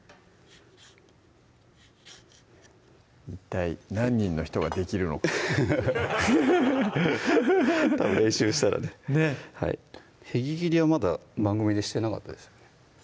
一体何人の人ができるのかたぶん練習したらねねっへぎ切りはまだ番組でしてなかったでしたっけ